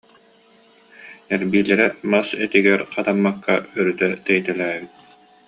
Эрбиилэрэ мас этигэр хатаммакка, өрүтэ тэйитэлээбит